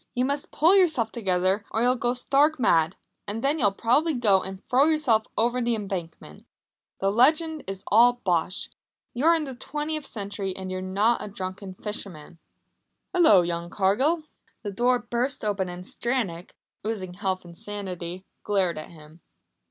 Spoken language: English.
You must pull yourself together or you'll go stark mad, and then you'll probably go and throw yourself over the Embankment. That legend is all bosh! You're in the twentieth century, and you're not a drunken fisherman " "Hullo, young Cargill!" The door burst open and Stranack, oozing health and sanity, glared at him.